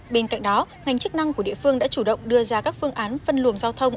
bên cạnh đó ngành chức năng của địa phương đã chủ động đưa ra các phương án phân luồng giao thông